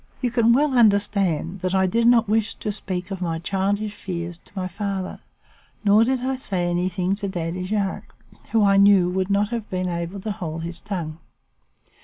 You can well understand that I did not wish to speak of my childish fears to my father, nor did I say anything to Daddy Jacques who, I knew, would not have been able to hold his tongue.